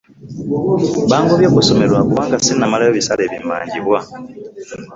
Bangobye ku ssomero lwakubanga sinaba kumalayo bisale ebimanjibwa.